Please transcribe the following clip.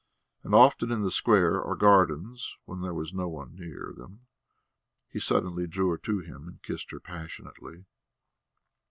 And often in the square or gardens, when there was no one near them, he suddenly drew her to him and kissed her passionately.